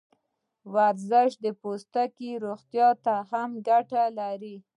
ورزش د پوستکي روغتیا ته هم ګټه لري.